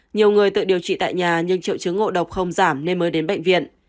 nhiều người tự điều trị tại nhà nhưng triệu chứng ngộ độc không giảm nên mới đến bệnh viện